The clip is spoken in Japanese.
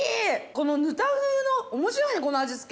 このぬた風の面白いねこの味付け。